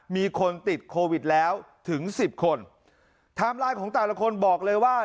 มีคนติดโควิดแล้วถึงสิบคนไทม์ไลน์ของแต่ละคนบอกเลยว่า